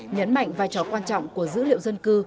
nhấn mạnh vai trò quan trọng của dữ liệu dân cư